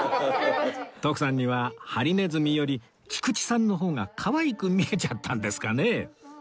徳さんにはハリネズミより菊池さんの方がかわいく見えちゃったんですかね